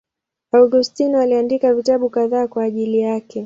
Augustino aliandika vitabu kadhaa kwa ajili yake.